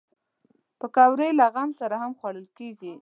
پکورې له غم سره هم خوړل کېږي